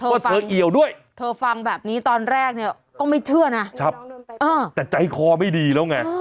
ว่าเธอเอี่ยวด้วยเธอฟังแบบนี้ตอนแรกเนี่ยก็ไม่เชื่อนะแต่ใจคอไม่ดีแล้วไง